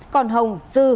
còn hồng dư